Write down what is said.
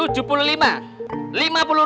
lima puluh rumah rusak ringan